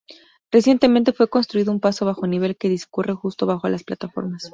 Recientemente fue construido un paso bajo nivel que discurre justo bajo las plataformas.